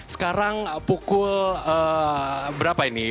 sekarang pukul berapa ini